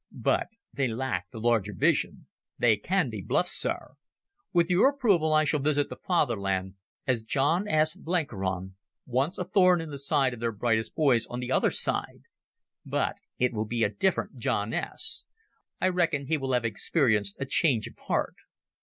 But they lack the larger vision. They can be bluffed, Sir. With your approval I shall visit the Fatherland as John S. Blenkiron, once a thorn in the side of their brightest boys on the other side. But it will be a different John S. I reckon he will have experienced a change of heart.